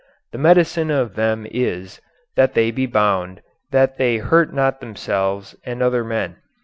The medicine of them is, that they be bound, that they hurt not themselves and other men.